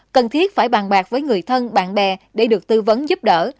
cần thiết phải bàn bạc với người thân bạn bè để được tư vấn giúp đỡ